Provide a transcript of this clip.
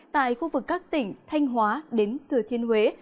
tại khu vực các tỉnh thanh hóa đến thừa thiên huế